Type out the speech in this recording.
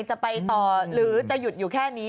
จะไปต่อหรือจะหยุดอยู่แค่นี้